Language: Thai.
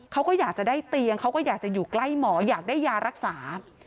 เขาก็อยากจะได้เตียงเขาก็อยากจะอยู่ใกล้หมออยากได้ยารักษา